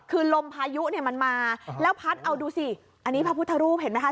คือลมพายุเนี่ยมันมาแล้วพัดเอาดูสิอันนี้พระพุทธรูปเห็นไหมคะ